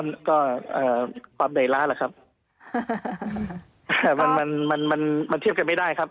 มันก็เอ่อความเหนื่อยล้าล่ะครับอ่ามันมันมันเทียบกันไม่ได้ครับ